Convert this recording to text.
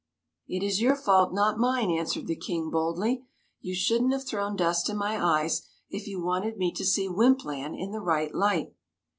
" It is your fault, not mine," answered the King boldly; "you shouldn't have thrown dust in my eyes if you wanted me to see Wympland in the right light